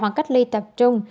hoặc cách ly tập trung